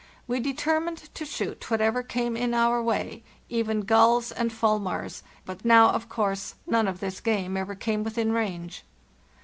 We determined to shoot whatever came in our way, even gulls and fulmars ; but now, of course, none of this game ever came within range.